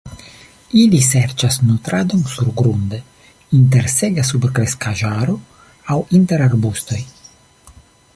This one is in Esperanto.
Ili serĉas nutradon surgrunde, inter seka subkreskaĵaro, aŭ inter arbustoj.